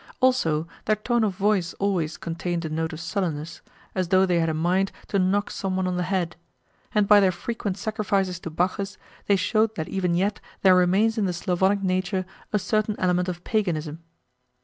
Also, their tone of voice always contained a note of sullenness, as though they had a mind to knock some one on the head; and by their frequent sacrifices to Bacchus they showed that even yet there remains in the Slavonic nature a certain element of paganism.